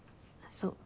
そう。